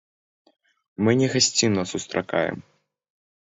Мы не гасцінна сустракаем.